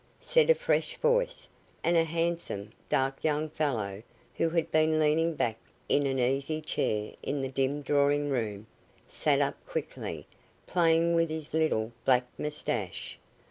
said a fresh voice, and a handsome, dark young fellow, who had been leaning back in an easy chair in the dim drawing room, sat up quickly, playing with his little black moustache.